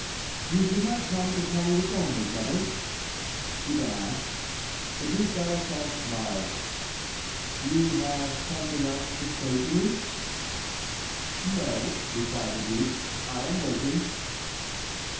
"You did not come to tell me this only, brother?" she then asked. The Duc d'Alençon smiled. "You have something else to say to me?" "No," replied the duke; "I am waiting."